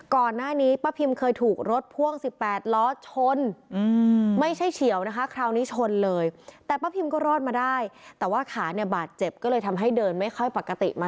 ก็กวาดใจเย็นก็กวาดของเราปกติ